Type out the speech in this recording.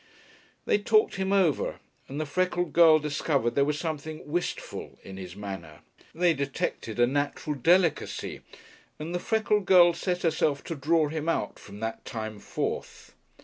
They talked him over, and the freckled girl discovered there was something "wistful" in his manner. They detected a "natural delicacy," and the freckled girl set herself to draw him out from that time forth.